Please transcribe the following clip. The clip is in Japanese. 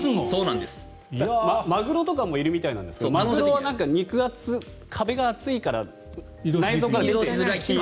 マグロとかもいるみたいですがマグロは壁が厚いから内臓から出てきづらい。